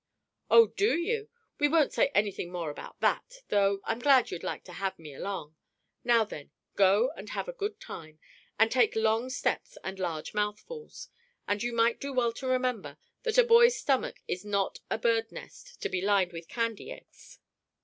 "Oh, do you! We won't say anything more about that, though I'm glad you'd like to have me along. Now then; go and have a good time! And take long steps and large mouthfuls! And you might do well to remember that a boy's stomach is not a birdnest to be lined with candy eggs."